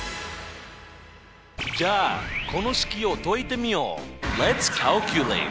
じゃあこの式を解いてみよう！